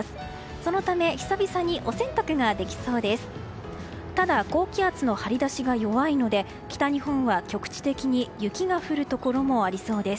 そのため、久々にお洗濯ができそうです。